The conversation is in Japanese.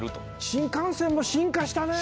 新幹線も進化したね！